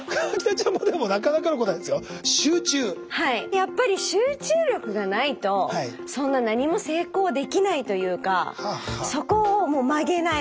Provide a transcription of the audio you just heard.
やっぱり集中力がないとそんな何も成功できないというかそこをもう曲げない。